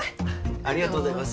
ありがとうございます。